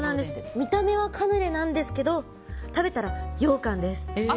見た目はカヌレなんですけど食べたら、羊羹です。